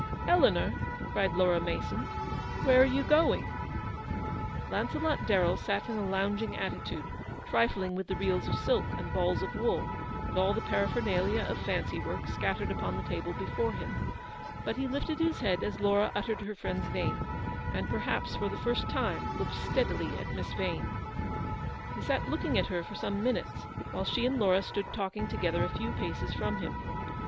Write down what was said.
" Eleanor," cried Laura Mason, " where are you going ?" Launcelot Darrell sat in a lounging attitude, trifling with the reels of silk, and balls of wool, and all the paraphernalia of fancy work scattered upon the table before him, but he lifted his head as Laura uttered her friend's name, and perhaps for the first time looked steadily at Miss Vane. He sat looking at her for some minutes while she and Laura stood talking together a few paces from him.